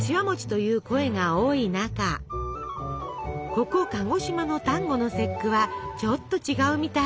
ここ鹿児島の端午の節句はちょっと違うみたい。